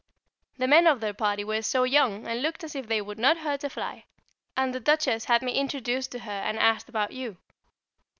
The men of their party were so young, and looked as if they would not hurt a fly, and the Duchess had me introduced to her and asked about you.